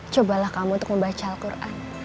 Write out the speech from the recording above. cobalah kamu untuk membaca al quran